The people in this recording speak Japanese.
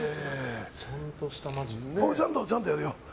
ちゃんとやるよ。